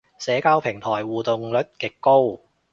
社交平台互動率極高